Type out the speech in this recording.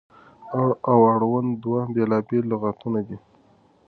اړه او اړوند دوه بېلابېل لغتونه دي.